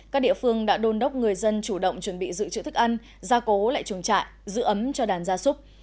các địa phương đã đôn đốc người dân chủ động chuẩn bị dự trữ thức ăn gia cố lại chuồng trại giữ ấm cho đàn gia súc